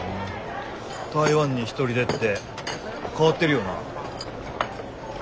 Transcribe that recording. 台湾に一人でって変わってるよな。